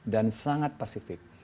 dan sangat pasifik